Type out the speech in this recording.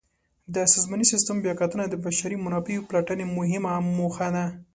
د سازماني سیسټم بیاکتنه د بشري منابعو پلټنې مهمه موخه ده.